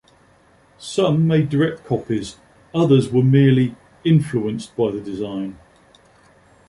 Some made direct copies, others were merely 'influenced' by the design.